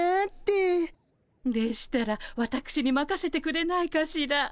でしたらわたくしにまかせてくれないかしら。